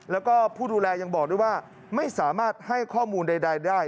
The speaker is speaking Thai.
แล้วก็ผู้ดูแลยังบอกด้วยว่าไม่สามารถให้ข้อมูลใดได้